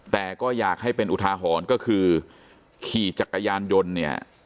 แต่ก็อยากให้เป็นอุทาหรณ์ก็คือขี่จักรยานยนต์เนี่ย